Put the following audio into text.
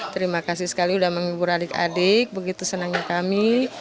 terima kasih sekali sudah menghibur adik adik begitu senangnya kami